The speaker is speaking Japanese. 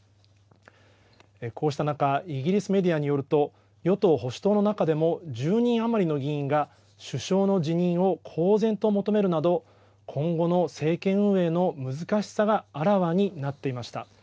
こうした中イギリスメディアによると与党・保守党の中でも１０人余りの議員が首相の辞任を公然と求めるなど今後の政権運営の難しさがあらわになっていました。